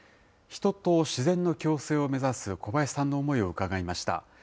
人と自然の共生を目指す小林さんの思いを伺いました。